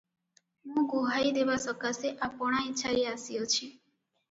ମୁଁ ଗୁହାଇ ଦେବା ସକାଶେ ଆପଣା ଇଛାରେ ଆସିଅଛି ।